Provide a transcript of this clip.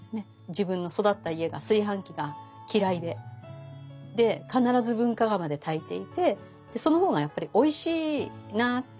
自分の育った家が炊飯器が嫌いでで必ず文化釜で炊いていてでその方がやっぱりおいしいなって思ってたんです。